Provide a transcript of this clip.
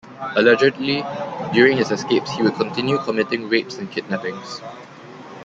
Allegedly, during his escapes he would continue committing rapes and kidnappings.